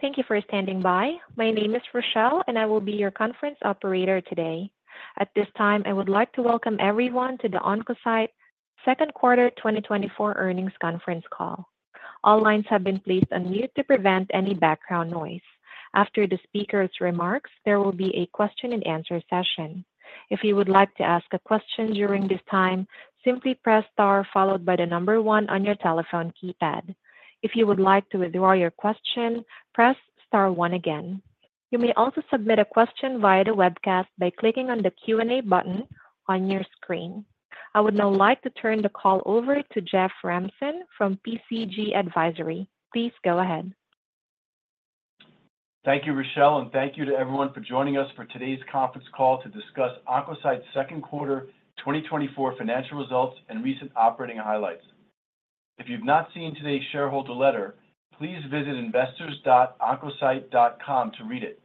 Thank you for standing by. My name is Rochelle, and I will be your conference operator today. At this time, I would like to welcome everyone to the Oncocyte second quarter 2024 earnings conference call. All lines have been placed on mute to prevent any background noise. After the speaker's remarks, there will be a question and answer session. If you would like to ask a question during this time, simply press star followed by the number 1 on your telephone keypad. If you would like to withdraw your question, press star 1 again. You may also submit a question via the webcast by clicking on the Q&A button on your screen. I would now like to turn the call over to Jeff Ramson from PCG Advisory. Please go ahead. Thank you, Rochelle, and thank you to everyone for joining us for today's conference call to discuss Oncocyte's second quarter 2024 financial results and recent operating highlights. If you've not seen today's shareholder letter, please visit investors.oncocyte.com to read it.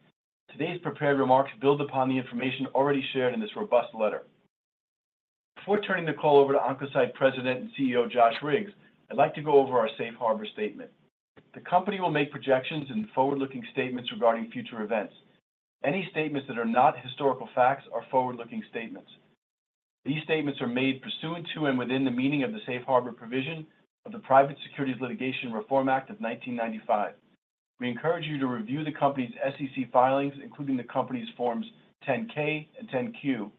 Today's prepared remarks build upon the information already shared in this robust letter. Before turning the call over to Oncocyte President and CEO, Josh Riggs, I'd like to go over our safe harbor statement. The company will make projections and forward-looking statements regarding future events. Any statements that are not historical facts are forward-looking statements. These statements are made pursuant to and within the meaning of the safe harbor provision of the Private Securities Litigation Reform Act of 1995. We encourage you to review the company's SEC filings, including the company's Forms 10-K and 10-Q,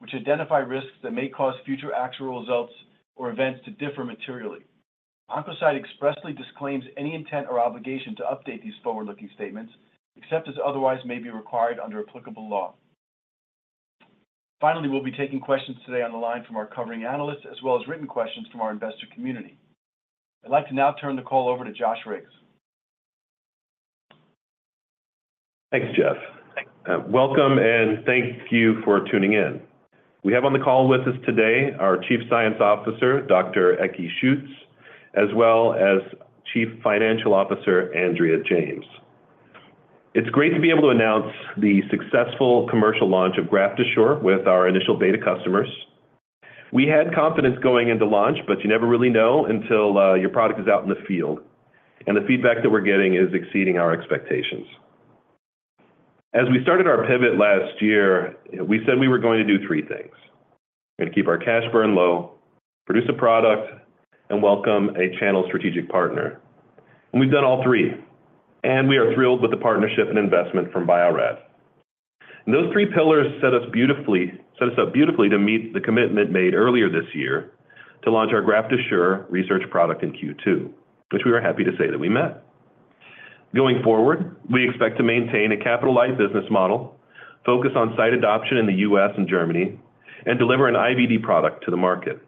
which identify risks that may cause future actual results or events to differ materially. Oncocyte expressly disclaims any intent or obligation to update these forward-looking statements, except as otherwise may be required under applicable law. Finally, we'll be taking questions today on the line from our covering analysts, as well as written questions from our investor community. I'd like to now turn the call over to Josh Riggs. Thanks, Jeff. Welcome, and thank you for tuning in. We have on the call with us today our Chief Science Officer, Dr. Ecki Schütz, as well as Chief Financial Officer, Andrea James. It's great to be able to announce the successful commercial launch of GraftAssure with our initial beta customers. We had confidence going into launch, but you never really know until your product is out in the field, and the feedback that we're getting is exceeding our expectations. As we started our pivot last year, we said we were going to do three things: We're going to keep our cash burn low, produce a product, and welcome a channel strategic partner. We've done all three, and we are thrilled with the partnership and investment from Bio-Rad. Those three pillars set us beautifully- set us up beautifully to meet the commitment made earlier this year to launch our GraftAssure research product in Q2, which we are happy to say that we met. Going forward, we expect to maintain a capitalized business model, focus on site adoption in the U.S. and Germany, and deliver an IVD product to the market.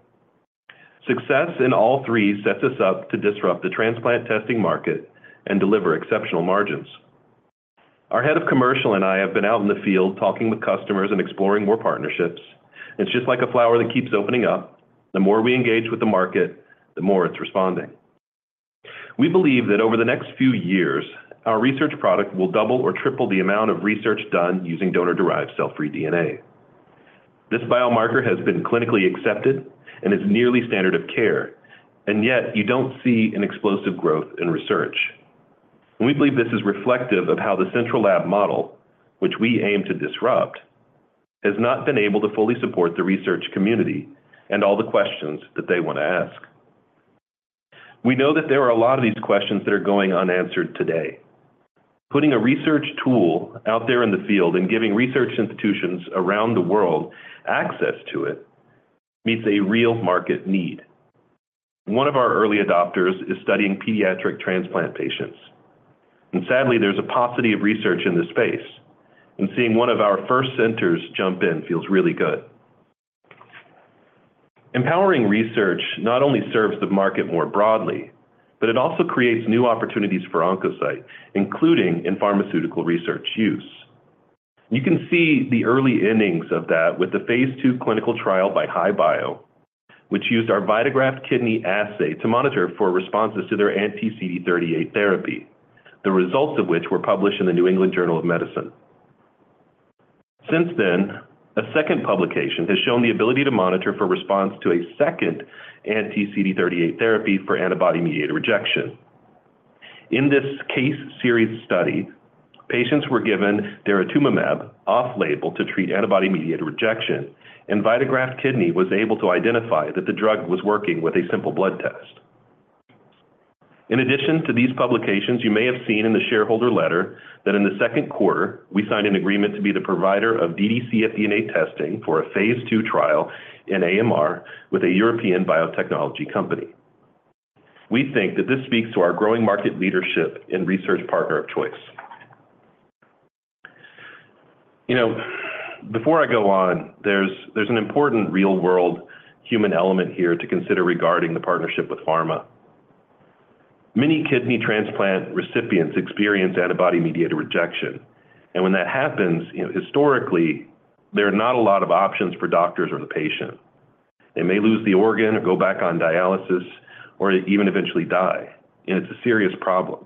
Success in all three sets us up to disrupt the transplant testing market and deliver exceptional margins. Our Head of Commercial and I have been out in the field talking with customers and exploring more partnerships. It's just like a flower that keeps opening up. The more we engage with the market, the more it's responding. We believe that over the next few years, our research product will double or triple the amount of research done using donor-derived cell-free DNA. This biomarker has been clinically accepted and is nearly standard of care, and yet you don't see an explosive growth in research. We believe this is reflective of how the central lab model, which we aim to disrupt, has not been able to fully support the research community and all the questions that they want to ask. We know that there are a lot of these questions that are going unanswered today. Putting a research tool out there in the field and giving research institutions around the world access to it meets a real market need. One of our early adopters is studying pediatric transplant patients, and sadly, there's a paucity of research in this space, and seeing one of our first centers jump in feels really good. Empowering research not only serves the market more broadly, but it also creates new opportunities for Oncocyte, including in pharmaceutical research use. You can see the early innings of that with the Phase 2 clinical trial by HI-Bio, which used our VitaGraft Kidney assay to monitor for responses to their anti-CD38 therapy, the results of which were published in the New England Journal of Medicine. Since then, a second publication has shown the ability to monitor for response to a second anti-CD38 therapy for antibody-mediated rejection. In this case series study, patients were given daratumumab off-label to treat antibody-mediated rejection, and VitaGraft Kidney was able to identify that the drug was working with a simple blood test. In addition to these publications, you may have seen in the shareholder letter that in the second quarter, we signed an agreement to be the provider of dd-cfDNA testing for a Phase 2 trial in AMR with a European biotechnology company. We think that this speaks to our growing market leadership and research partner of choice. You know, before I go on, there's an important real-world human element here to consider regarding the partnership with Pharma. Many kidney transplant recipients experience antibody-mediated rejection, and when that happens, you know, historically, there are not a lot of options for doctors or the patient. They may lose the organ or go back on dialysis or even eventually die, and it's a serious problem.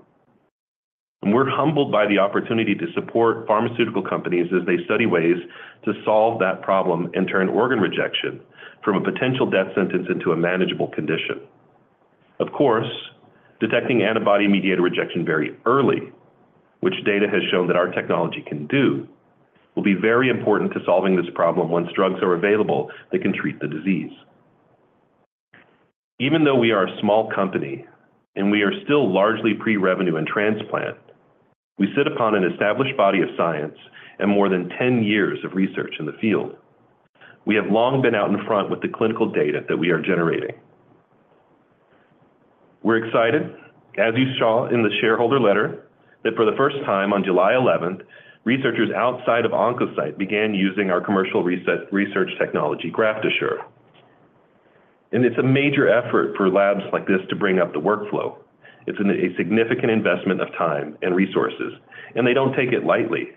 We're humbled by the opportunity to support pharmaceutical companies as they study ways to solve that problem and turn organ rejection from a potential death sentence into a manageable condition. Of course, detecting antibody-mediated rejection very early, which data has shown that our technology can do, will be very important to solving this problem once drugs are available that can treat the disease. Even though we are a small company, and we are still largely pre-revenue in transplant, we sit upon an established body of science and more than 10 years of research in the field. We have long been out in front with the clinical data that we are generating. We're excited, as you saw in the shareholder letter, that for the first time on July eleventh, researchers outside of Oncocyte began using our commercial RUO research technology, GraftAssure. It's a major effort for labs like this to bring up the workflow. It's a significant investment of time and resources, and they don't take it lightly.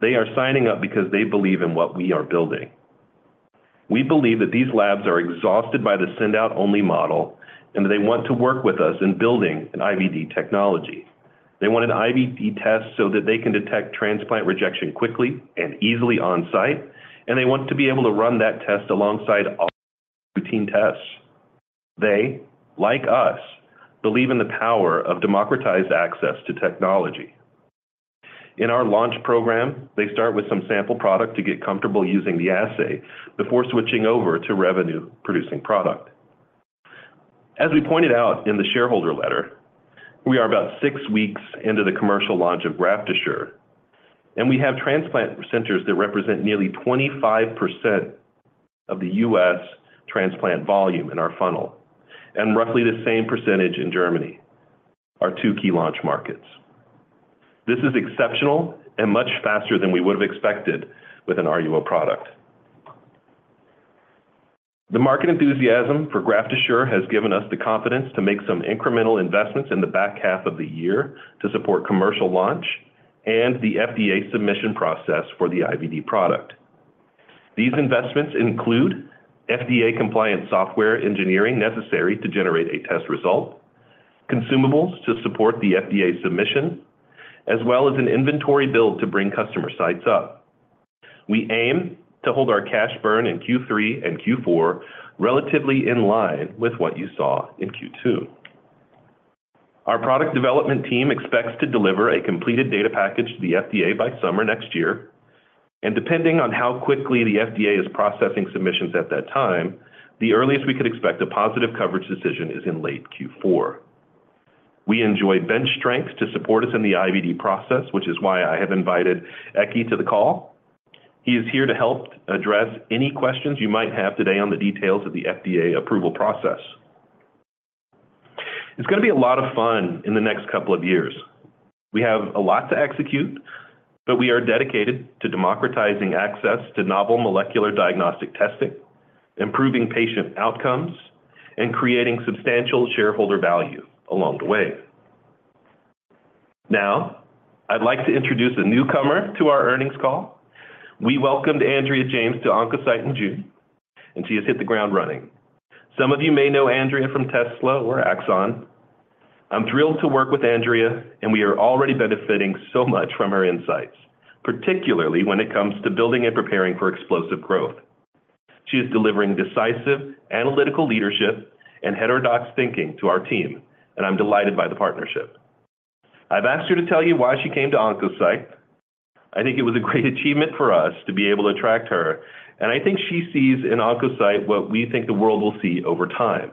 They are signing up because they believe in what we are building. We believe that these labs are exhausted by the send-out only model, and they want to work with us in building an IVD technology. They want an IVD test so that they can detect transplant rejection quickly and easily on-site, and they want to be able to run that test alongside routine tests. They, like us, believe in the power of democratized access to technology. In our launch program, they start with some sample product to get comfortable using the assay before switching over to revenue-producing product. As we pointed out in the shareholder letter, we are about six weeks into the commercial launch of GraftAssure, and we have transplant centers that represent nearly 25% of the U.S. transplant volume in our funnel, and roughly the same percentage in Germany, our two key launch markets. This is exceptional and much faster than we would have expected with an RUO product. The market enthusiasm for GraftAssure has given us the confidence to make some incremental investments in the back half of the year to support commercial launch and the FDA submission process for the IVD product. These investments include FDA compliance software engineering necessary to generate a test result, consumables to support the FDA submission, as well as an inventory build to bring customer sites up. We aim to hold our cash burn in Q3 and Q4 relatively in line with what you saw in Q2. Our product development team expects to deliver a completed data package to the FDA by summer next year, and depending on how quickly the FDA is processing submissions at that time, the earliest we could expect a positive coverage decision is in late Q4. We enjoy bench strength to support us in the IVD process, which is why I have invited Ecki to the call. He is here to help address any questions you might have today on the details of the FDA approval process. It's going to be a lot of fun in the next couple of years. We have a lot to execute, but we are dedicated to democratizing access to novel molecular diagnostic testing, improving patient outcomes, and creating substantial shareholder value along the way. Now, I'd like to introduce a newcomer to our earnings call. We welcomed Andrea James to Oncocyte in June, and she has hit the ground running. Some of you may know Andrea from Tesla or Axon. I'm thrilled to work with Andrea, and we are already benefiting so much from her insights, particularly when it comes to building and preparing for explosive growth. She is delivering decisive, analytical leadership and heterodox thinking to our team, and I'm delighted by the partnership. I've asked her to tell you why she came to Oncocyte. I think it was a great achievement for us to be able to attract her, and I think she sees in Oncocyte what we think the world will see over time.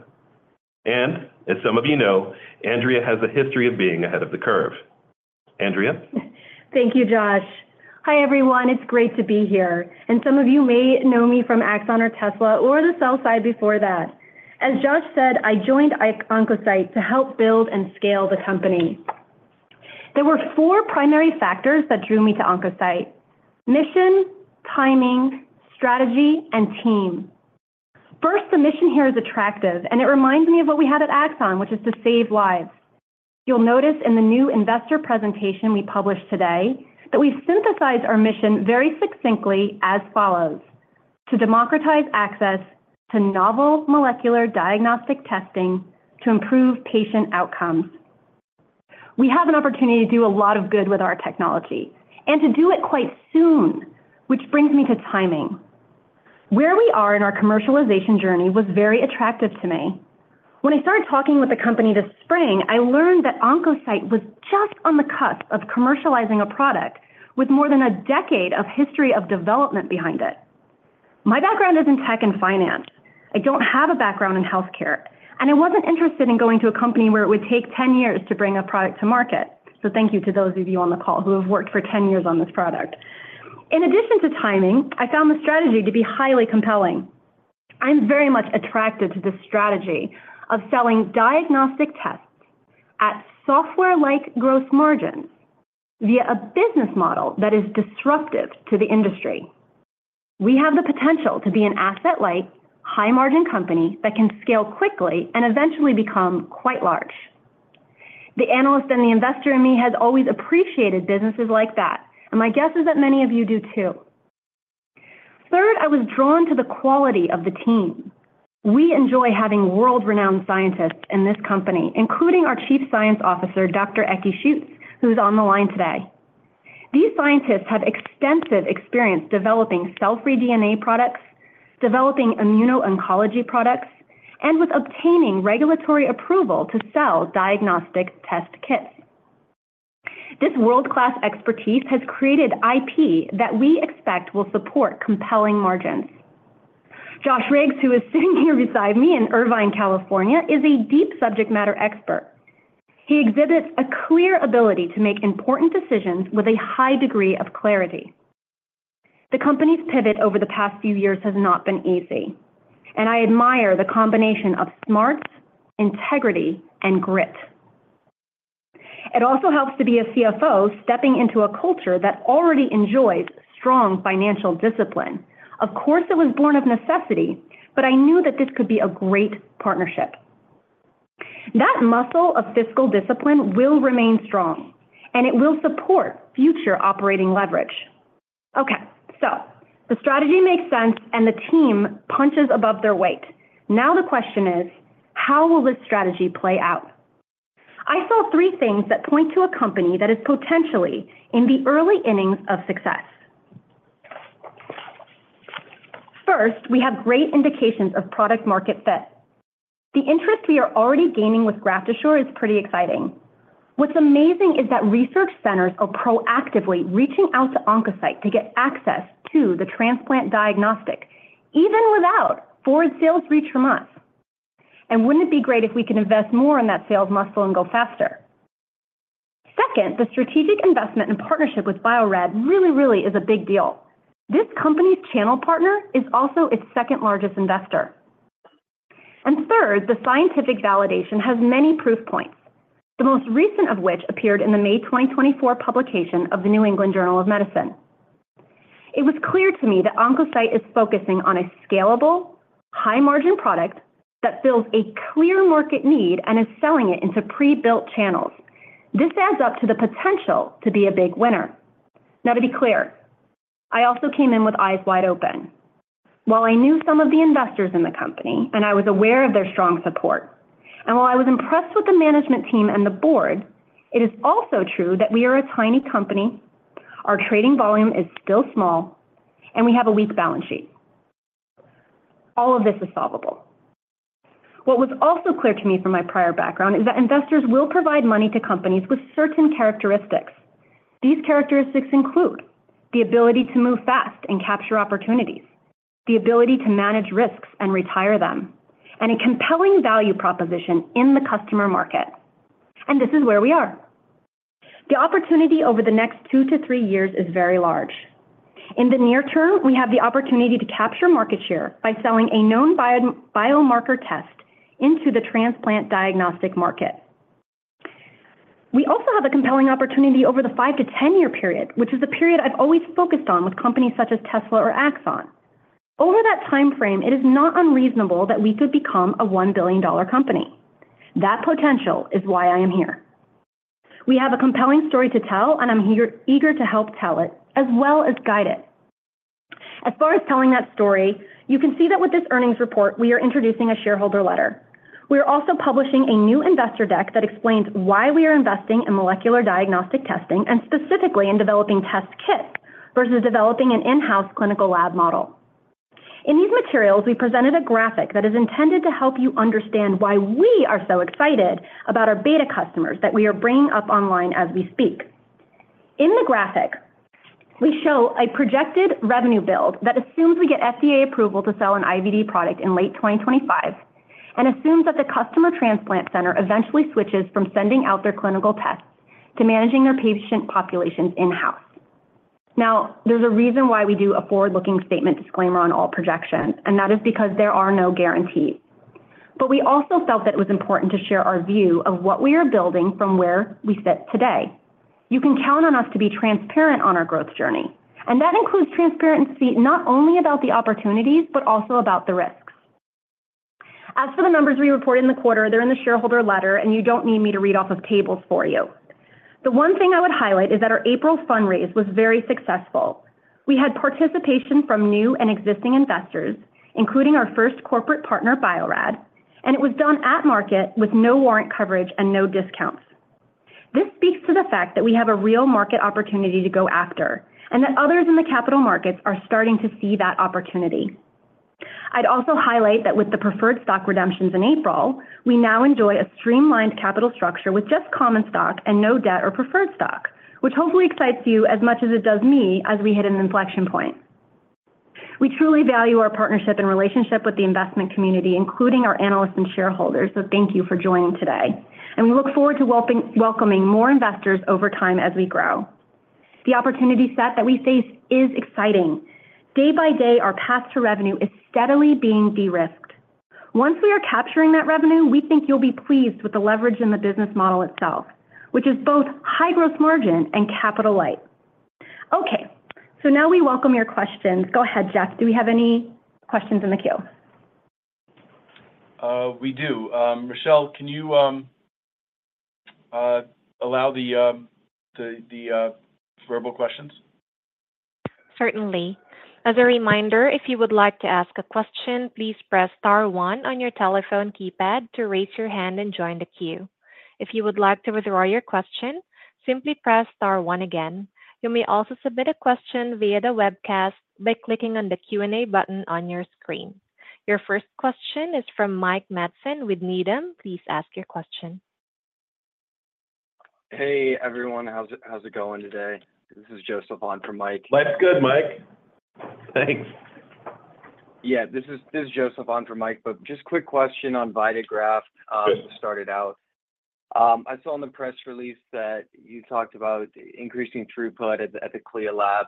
As some of you know, Andrea has a history of being ahead of the curve. Andrea? Thank you, Josh. Hi, everyone. It's great to be here, and some of you may know me from Axon or Tesla or the sell side before that. As Josh said, I joined Oncocyte to help build and scale the company. There were four primary factors that drew me to Oncocyte: mission, timing, strategy, and team. First, the mission here is attractive, and it reminds me of what we had at Axon, which is to save lives. You'll notice in the new investor presentation we published today, that we've synthesized our mission very succinctly as follows: to democratize access to novel molecular diagnostic testing to improve patient outcomes. We have an opportunity to do a lot of good with our technology and to do it quite soon, which brings me to timing. Where we are in our commercialization journey was very attractive to me. When I started talking with the company this spring, I learned that Oncocyte was just on the cusp of commercializing a product with more than a decade of history of development behind it. My background is in tech and finance. I don't have a background in healthcare, and I wasn't interested in going to a company where it would take 10 years to bring a product to market. So thank you to those of you on the call who have worked for 10 years on this product. In addition to timing, I found the strategy to be highly compelling. I'm very much attracted to this strategy of selling diagnostic tests at software-like growth margins via a business model that is disruptive to the industry. We have the potential to be an asset-light, high-margin company that can scale quickly and eventually become quite large. The analyst and the investor in me has always appreciated businesses like that, and my guess is that many of you do too. Third, I was drawn to the quality of the team. We enjoy having world-renowned scientists in this company, including our Chief Science Officer, Dr. Ecki Schütz, who's on the line today. These scientists have extensive experience developing cell-free DNA products, developing immuno-oncology products, and with obtaining regulatory approval to sell diagnostic test kits. This world-class expertise has created IP that we expect will support compelling margins. Josh Riggs, who is sitting here beside me in Irvine, California, is a deep subject matter expert. He exhibits a clear ability to make important decisions with a high degree of clarity. The company's pivot over the past few years has not been easy, and I admire the combination of smarts, integrity, and grit. It also helps to be a CFO stepping into a culture that already enjoys strong financial discipline. Of course, it was born of necessity, but I knew that this could be a great partnership. That muscle of fiscal discipline will remain strong, and it will support future operating leverage. Okay, so the strategy makes sense, and the team punches above their weight. Now, the question is, how will this strategy play out? I saw three things that point to a company that is potentially in the early innings of success. First, we have great indications of product-market fit. The interest we are already gaining with GraftAssure is pretty exciting. What's amazing is that research centers are proactively reaching out to Oncocyte to get access to the transplant diagnostic, even without forward sales reach from us. Wouldn't it be great if we could invest more in that sales muscle and go faster? Second, the strategic investment and partnership with Bio-Rad really, really is a big deal. This company's channel partner is also its second-largest investor. And third, the scientific validation has many proof points, the most recent of which appeared in the May 2024 publication of the New England Journal of Medicine. It was clear to me that Oncocyte is focusing on a scalable, high-margin product that fills a clear market need and is selling it into pre-built channels. This adds up to the potential to be a big winner. Now, to be clear, I also came in with eyes wide open. While I knew some of the investors in the company, and I was aware of their strong support, and while I was impressed with the management team and the board, it is also true that we are a tiny company, our trading volume is still small, and we have a weak balance sheet. All of this is solvable. What was also clear to me from my prior background is that investors will provide money to companies with certain characteristics. These characteristics include the ability to move fast and capture opportunities, the ability to manage risks and retire them, and a compelling value proposition in the customer market, and this is where we are. The opportunity over the next 2-3 years is very large. In the near term, we have the opportunity to capture market share by selling a known bio, biomarker test into the transplant diagnostic market. We also have a compelling opportunity over the 5- to 10-year period, which is a period I've always focused on with companies such as Tesla or Axon. Over that timeframe, it is not unreasonable that we could become a $1 billion company. That potential is why I am here. We have a compelling story to tell, and I'm here, eager to help tell it, as well as guide it. As far as telling that story, you can see that with this earnings report, we are introducing a shareholder letter. We are also publishing a new investor deck that explains why we are investing in molecular diagnostic testing, and specifically in developing test kits versus developing an in-house clinical lab model. In these materials, we presented a graphic that is intended to help you understand why we are so excited about our beta customers that we are bringing up online as we speak. In the graphic, we show a projected revenue build that assumes we get FDA approval to sell an IVD product in late 2025 and assumes that the customer transplant center eventually switches from sending out their clinical tests to managing their patient populations in-house. Now, there's a reason why we do a forward-looking statement disclaimer on all projections, and that is because there are no guarantees. But we also felt that it was important to share our view of what we are building from where we sit today. You can count on us to be transparent on our growth journey, and that includes transparency not only about the opportunities, but also about the risks. As for the numbers we reported in the quarter, they're in the shareholder letter, and you don't need me to read off of tables for you. The one thing I would highlight is that our April fundraise was very successful. We had participation from new and existing investors, including our first corporate partner, Bio-Rad, and it was done at market with no warrant coverage and no discounts. dThis speaks to the fact that we have a real market opportunity to go after and that others in the capital markets are starting to see that opportunity. I'd also highlight that with the preferred stock redemptions in April, we now enjoy a streamlined capital structure with just common stock and no debt or preferred stock, which hopefully excites you as much as it does me as we hit an inflection point. We truly value our partnership and relationship with the investment community, including our analysts and shareholders, so thank you for joining today, and we look forward to welcoming more investors over time as we grow. The opportunity set that we face is exciting. Day by day, our path to revenue is steadily being de-risked. Once we are capturing that revenue, we think you'll be pleased with the leverage in the business model itself, which is both high gross margin and capital light. Okay, so now we welcome your questions. Go ahead, Jeff. Do we have any questions in the queue? We do. Rochelle, can you allow the verbal questions? ...Certainly. As a reminder, if you would like to ask a question, please press star one on your telephone keypad to raise your hand and join the queue. If you would like to withdraw your question, simply press star one again. You may also submit a question via the webcast by clicking on the Q&A button on your screen. Your first question is from Mike Matson with Needham. Please ask your question. Hey, everyone. How's it, how's it going today? This is Joseph on for Mike. Life's good, Mike. Thanks. Yeah, this is, this is Joseph on for Mike, but just quick question on VitaGraft, to start it out. I saw in the press release that you talked about increasing throughput at the, at the CLIA lab.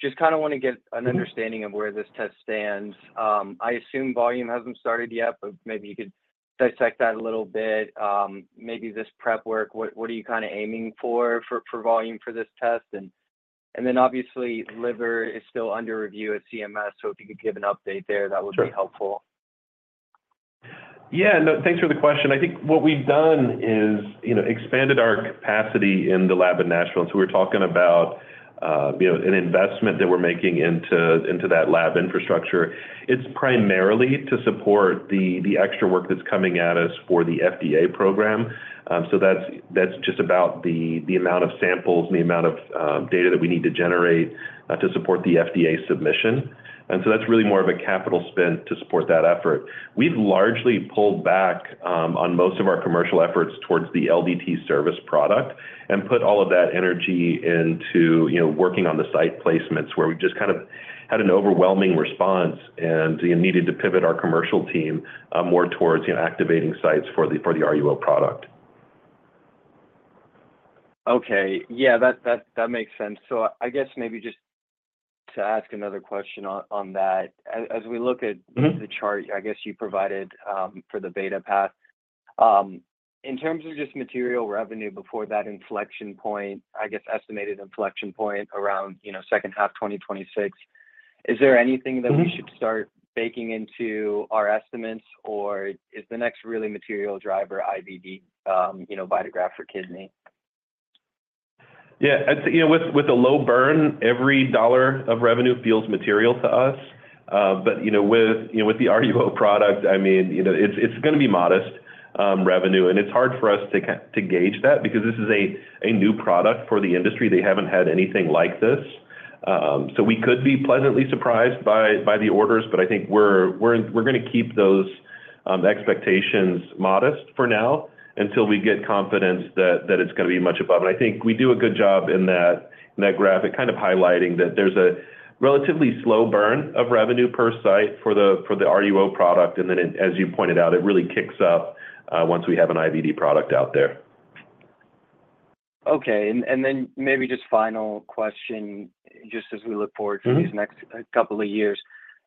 Just kinda wanna get an understanding of where this test stands. I assume volume hasn't started yet, but maybe you could dissect that a little bit. Maybe this prep work, what, what are you kinda aiming for, for, for volume for this test? And, and then obviously, liver is still under review at CMS, so if you could give an update there, that would be helpful. Sure. Yeah, no, thanks for the question. I think what we've done is, you know, expanded our capacity in the lab in Nashville. So we're talking about, you know, an investment that we're making into, into that lab infrastructure. It's primarily to support the, the extra work that's coming at us for the FDA program. So that's, that's just about the, the amount of samples and the amount of, data that we need to generate, to support the FDA submission. And so that's really more of a capital spend to support that effort. We've largely pulled back on most of our commercial efforts towards the LDT service product and put all of that energy into, you know, working on the site placements, where we've just kind of had an overwhelming response and, you know, needed to pivot our commercial team more towards, you know, activating sites for the RUO product. Okay. Yeah, that makes sense. So I guess maybe just to ask another question on that, as we look at- Mm-hmm... the chart, I guess, you provided, for the beta path, in terms of just material revenue before that inflection point, I guess, estimated inflection point around, you know, second half 2026, is there anything that we should start baking into our estimates, or is the next really material driver IVD, you know, VitaGraft for kidney? Yeah, it's, you know, with, with a low burn, every dollar of revenue feels material to us. But, you know, with, you know, with the RUO product, I mean, you know, it's, it's gonna be modest revenue, and it's hard for us to gauge that because this is a new product for the industry. They haven't had anything like this. So we could be pleasantly surprised by, by the orders, but I think we're, we're, we're gonna keep those expectations modest for now until we get confidence that, that it's gonna be much above. And I think we do a good job in that, in that graphic, kind of highlighting that there's a relatively slow burn of revenue per site for the, for the RUO product. Then it, as you pointed out, it really kicks up once we have an IVD product out there. Okay. And then maybe just final question, just as we look forward- Mm-hmm... for these next couple of years.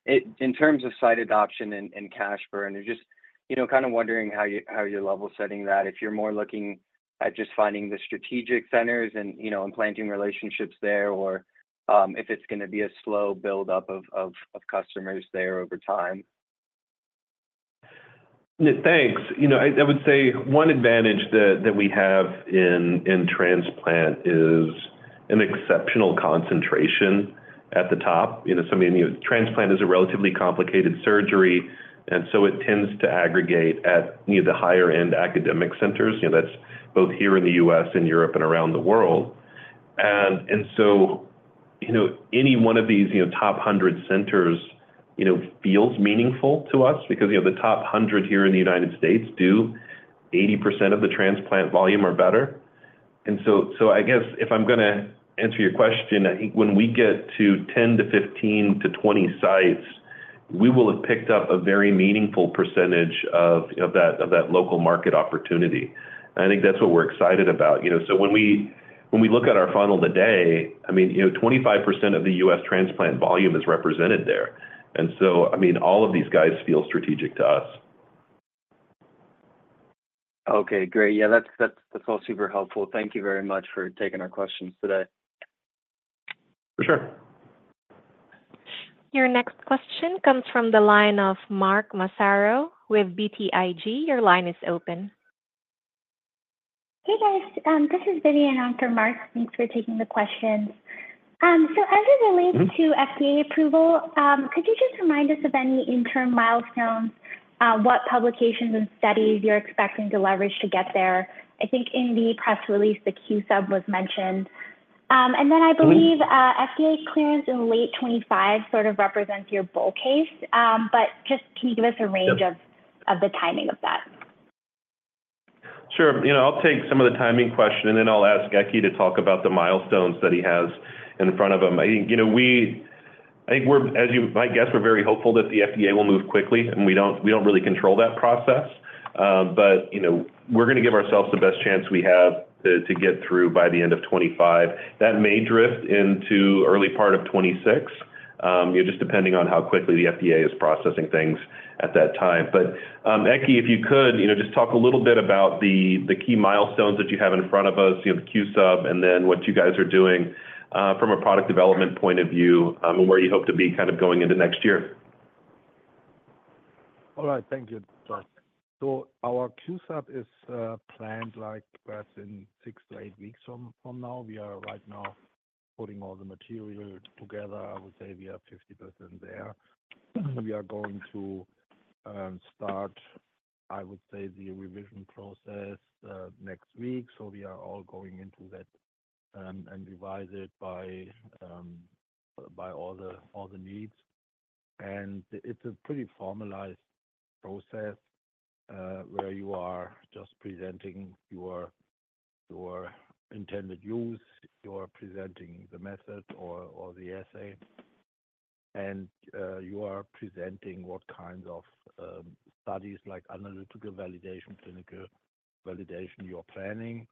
In terms of site adoption and cash burn, you're just, you know, kind of wondering how you, how you're level setting that, if you're more looking at just finding the strategic centers and, you know, and planting relationships there, or if it's gonna be a slow buildup of customers there over time. Thanks. You know, I, I would say one advantage that, that we have in, in transplant is an exceptional concentration at the top. You know, so, I mean, transplant is a relatively complicated surgery, and so it tends to aggregate at, you know, the higher end academic centers. You know, that's both here in the U.S. and Europe and around the world. And, and so, you know, any one of these, you know, top 100 centers, you know, feels meaningful to us because, you know, the top 100 here in the United States do 80% of the transplant volume or better. And so, so I guess if I'm gonna answer your question, I think when we get to 10 to 15 to 20 sites, we will have picked up a very meaningful percentage of, of that, of that local market opportunity. I think that's what we're excited about, you know? When we look at our funnel today, I mean, you know, 25% of the U.S. transplant volume is represented there. And so, I mean, all of these guys feel strategic to us. Okay, great. Yeah, that's, that's, that's all super helpful. Thank you very much for taking our questions today. For sure. Your next question comes from the line of Mark Massaro with BTIG. Your line is open. Hey, guys. This is Vidyun on for Mark. Thanks for taking the questions. So as it relates to FDA approval, could you just remind us of any interim milestones, what publications and studies you're expecting to leverage to get there? I think in the press release, the Q-Sub was mentioned. And then I believe- Mm-hmm... FDA clearance in late 2025 sort of represents your bull case, but just can you give us a range of- Yeah of the timing of that? Sure. You know, I'll take some of the timing question, and then I'll ask Ecki to talk about the milestones that he has in front of him. I think, you know, we. I think we're, as you might guess, we're very hopeful that the FDA will move quickly, and we don't, we don't really control that process. But, you know, we're gonna give ourselves the best chance we have to get through by the end of 2025. That may drift into early part of 2026, you know, just depending on how quickly the FDA is processing things at that time. But, Ecki, if you could, you know, just talk a little bit about the key milestones that you have in front of us, you know, the Q-Sub, and then what you guys are doing, from a product development point of view, and where you hope to be kind of going into next year.... All right, thank you, Josh. So our Q-Sub is planned like perhaps in 6-8 weeks from now. We are right now putting all the material together. I would say we are 50% there. We are going to start, I would say, the revision process next week. So we are all going into that and revise it by all the needs. And it's a pretty formalized process where you are just presenting your intended use, you are presenting the method or the assay, and you are presenting what kinds of studies, like analytical validation, clinical validation you are planning.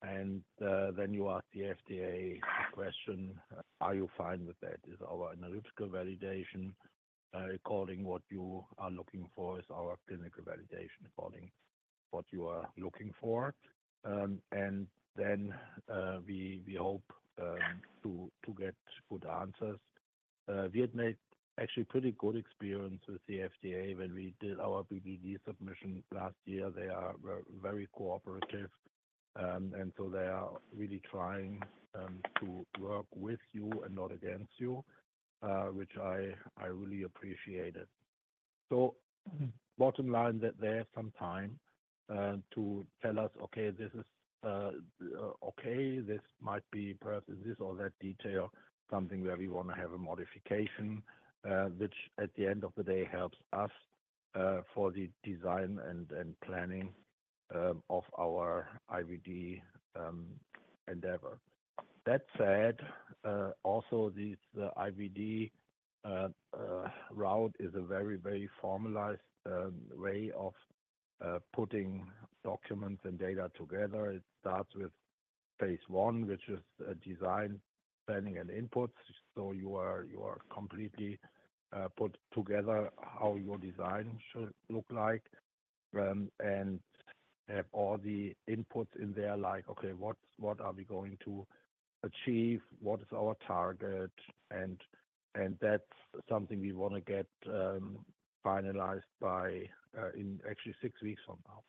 And then you ask the FDA question, "Are you fine with that? Is our analytical validation according what you are looking for? Is our clinical validation according what you are looking for?" And then we hope to get good answers. We had made actually pretty good experience with the FDA when we did our BDD submission last year. They are very cooperative, and so they are really trying to work with you and not against you, which I really appreciated. So bottom line, that they have some time to tell us, "Okay, this is okay, this might be perhaps this or that detail," something where we want to have a modification, which at the end of the day, helps us for the design and planning of our IVD endeavor. That said, also, this IVD route is a very, very formalized way of putting documents and data together. It starts with phase one, which is design, planning, and inputs. So you are completely put together how your design should look like, and have all the inputs in there, like, "Okay, what are we going to achieve? What is our target?" And that's something we want to get finalized by, in actually six weeks from now.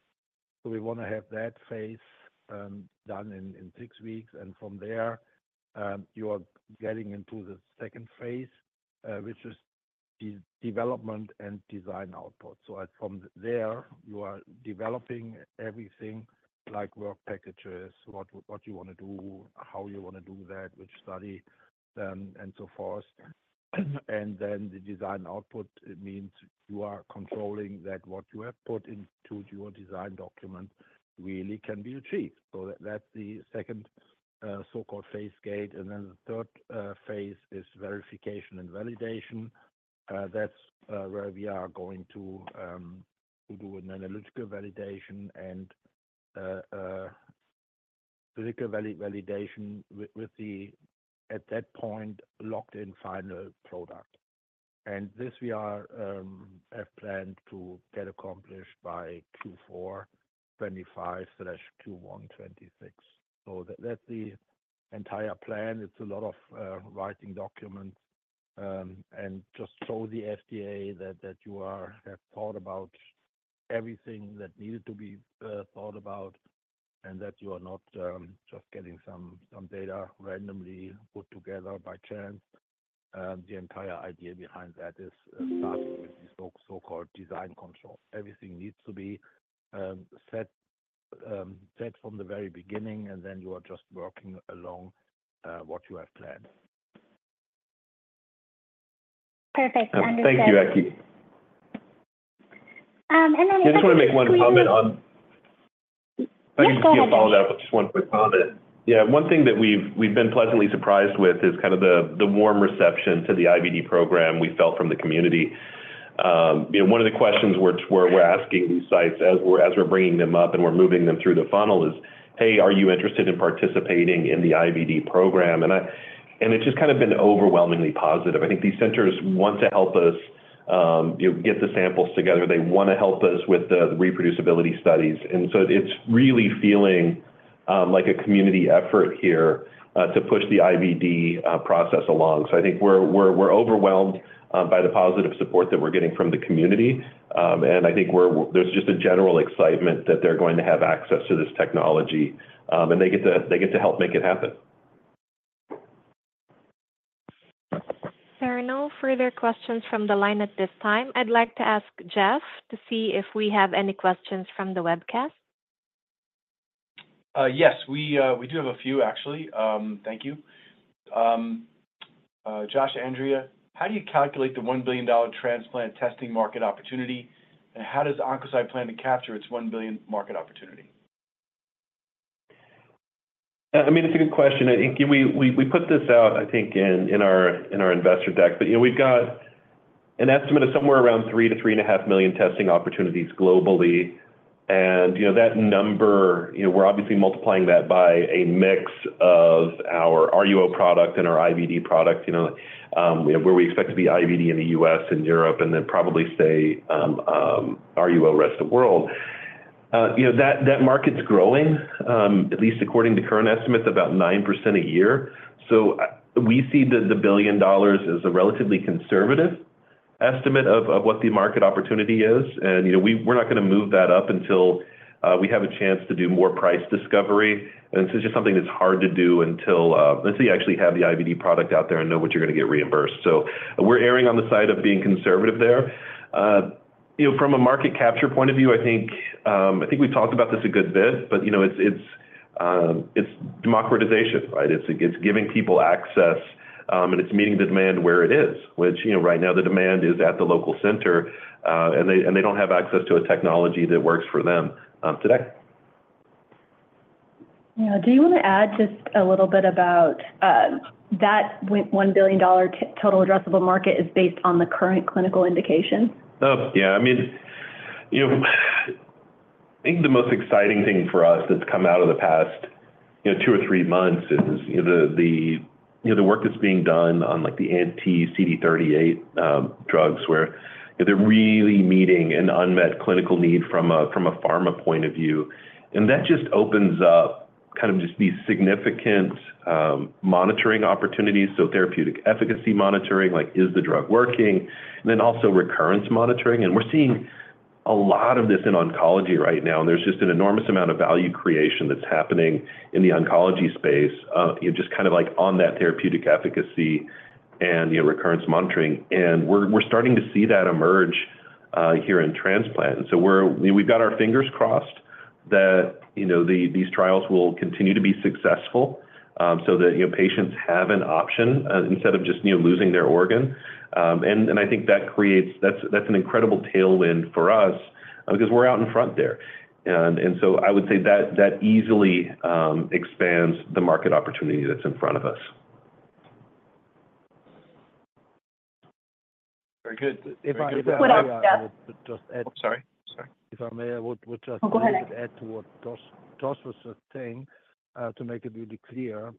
So we want to have that phase done in six weeks. And from there, you are getting into the second phase, which is development and design output. So from there, you are developing everything like work packages, what you want to do, how you want to do that, which study, and so forth. And then the design output, it means you are controlling that what you have put into your design document really can be achieved. So that's the second, so-called phase gate. And then the third phase is verification and validation. That's where we are going to do an analytical validation and clinical validation with the, at that point, locked-in final product. And this we have planned to get accomplished by Q4 2025/Q1 2026. So that's the entire plan. It's a lot of writing documents, and just show the FDA that you have thought about everything that needed to be thought about, and that you are not just getting some data randomly put together by chance. The entire idea behind that is starting with the so-called design control. Everything needs to be set from the very beginning, and then you are just working along what you have planned. Perfect. Understood. Thank you, Ecki. and then- I just want to make one comment on- Yes, go ahead. I think you followed up with just one quick comment. Yeah, one thing that we've been pleasantly surprised with is kind of the warm reception to the IVD program we felt from the community. You know, one of the questions we're asking these sites as we're bringing them up and we're moving them through the funnel is, "Hey, are you interested in participating in the IVD program?" And it's just kind of been overwhelmingly positive. I think these centers want to help us, you know, get the samples together. They want to help us with the reproducibility studies. And so it's really feeling like a community effort here to push the IVD process along. So I think we're overwhelmed by the positive support that we're getting from the community. I think there's just a general excitement that they're going to have access to this technology, and they get to, they get to help make it happen. There are no further questions from the line at this time. I'd like to ask Jeff to see if we have any questions from the webcast. Yes, we do have a few, actually. Thank you. Josh, Andrea, how do you calculate the $1 billion transplant testing market opportunity, and how does Oncocyte plan to capture its $1 billion market opportunity? I mean, it's a good question. I think we put this out, I think, in our investor deck. But, you know, we've got an estimate of somewhere around 3-3.5 million testing opportunities globally. And, you know, that number, you know, we're obviously multiplying that by a mix of our RUO product and our IVD product, you know, where we expect to be IVD in the U.S. and Europe, and then probably say RUO, rest of the world. You know, that market's growing, at least according to current estimates, about 9% a year. So, we see the $1 billion as a relatively conservative estimate of what the market opportunity is. You know, we're not gonna move that up until we have a chance to do more price discovery. This is just something that's hard to do until you actually have the IVD product out there and know what you're gonna get reimbursed. So we're erring on the side of being conservative there. You know, from a market capture point of view, I think we've talked about this a good bit, but, you know, it's democratization, right? It's giving people access, and it's meeting the demand where it is, which, you know, right now the demand is at the local center, and they don't have access to a technology that works for them, today. Yeah. Do you wanna add just a little bit about that $1 billion total addressable market is based on the current clinical indication? Oh, yeah. I mean, you know, I think the most exciting thing for us that's come out of the past, you know, two or three months is, you know, the, you know, the work that's being done on, like, the anti-CD38 drugs, where they're really meeting an unmet clinical need from a, from a pharma point of view. And that just opens up kind of just these significant monitoring opportunities. So therapeutic efficacy monitoring, like, is the drug working? And then also recurrence monitoring. And we're seeing a lot of this in oncology right now, and there's just an enormous amount of value creation that's happening in the oncology space, you know, just kind of like on that therapeutic efficacy and, you know, recurrence monitoring. And we're, we're starting to see that emerge, here in transplant. And so we've got our fingers crossed that, you know, these trials will continue to be successful, so that, you know, patients have an option, instead of just, you know, losing their organ. And I think that creates... That's an incredible tailwind for us, because we're out in front there. And so I would say that easily expands the market opportunity that's in front of us. Very good. If I- Good. Just add- Sorry. Sorry. If I may, I would just- Go ahead... add to what Josh, Josh was saying, to make it really clear,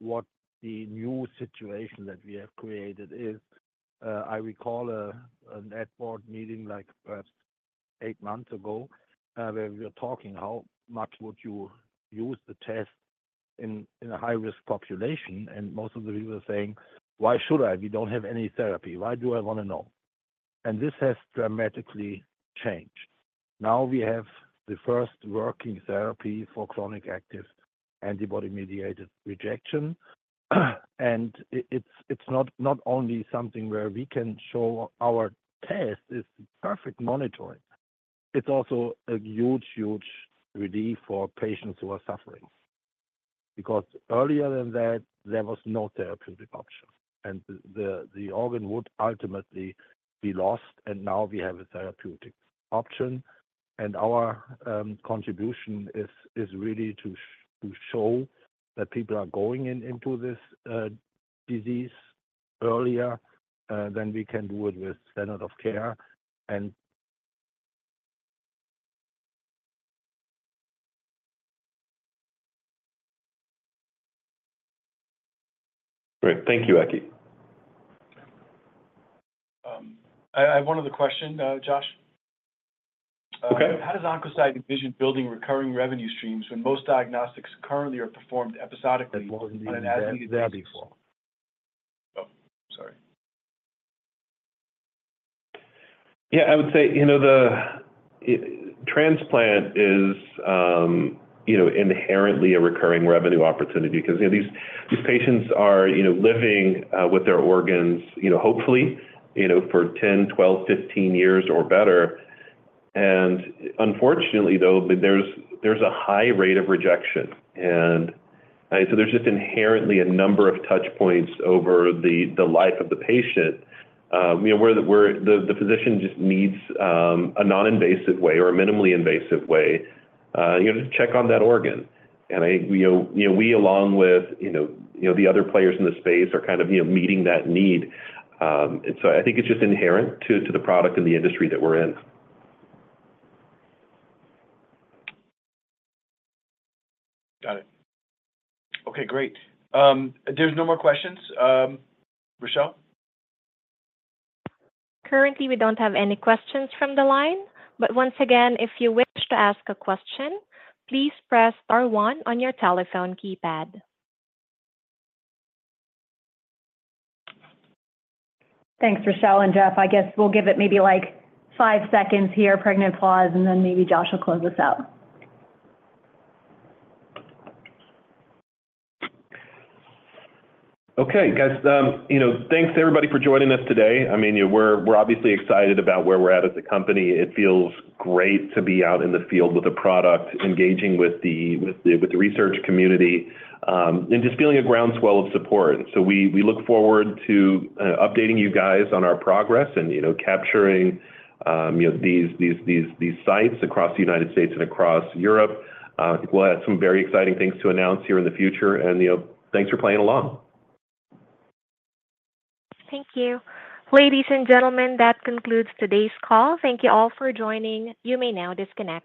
what the new situation that we have created is. I recall an airport meeting like, eight months ago, where we were talking, how much would you use the test in a high-risk population? And most of the people were saying, "Why should I? We don't have any therapy. Why do I wanna know?" And this has dramatically changed. Now we have the first working therapy for chronic active antibody-mediated rejection. And it's not only something where we can show our test is perfect monitoring, it's also a huge, huge relief for patients who are suffering. Because earlier than that, there was no therapeutic option, and the organ would ultimately be lost, and now we have a therapeutic option. Our contribution is really to show that people are going into this disease earlier than we can do it with standard of care, and- Great. Thank you, Ecki. I have one other question, Josh. Okay. How does Oncocyte envision building recurring revenue streams when most diagnostics currently are performed episodically on an as-needed basis? Oh, sorry. Yeah, I would say, you know, the transplant is, you know, inherently a recurring revenue opportunity because, you know, these patients are, you know, living with their organs, you know, hopefully, you know, for 10, 12, 15 years or better. And unfortunately, though, there's a high rate of rejection, and so there's just inherently a number of touch points over the life of the patient, you know, where the physician just needs a non-invasive way or a minimally invasive way, you know, to check on that organ. And I, you know, we, along with, you know, the other players in the space, are kind of, you know, meeting that need. And so I think it's just inherent to the product and the industry that we're in. Got it. Okay, great. There's no more questions. Rochelle? Currently, we don't have any questions from the line, but once again, if you wish to ask a question, please press star one on your telephone keypad. Thanks, Rochelle and Jeff. I guess we'll give it maybe, like, five seconds here, pregnant pause, and then maybe Josh will close us out. Okay, guys, you know, thanks to everybody for joining us today. I mean, we're obviously excited about where we're at as a company. It feels great to be out in the field with a product, engaging with the research community, and just feeling a groundswell of support. So we look forward to updating you guys on our progress and, you know, capturing these sites across the United States and across Europe. We'll have some very exciting things to announce here in the future, and, you know, thanks for playing along. Thank you. Ladies and gentlemen, that concludes today's call. Thank you all for joining. You may now disconnect.